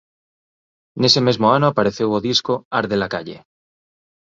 Nese mesmo ano apareceu o disco "Arde la calle".